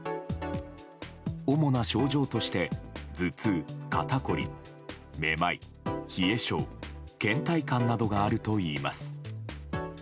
主な症状として頭痛、肩こり、めまい、冷え性倦怠感などがあるといいます。